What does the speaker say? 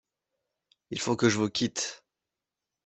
Il faut que je vous quitte.